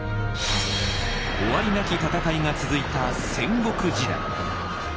終わりなき戦いが続いた戦国時代。